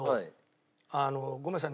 あのごめんなさい。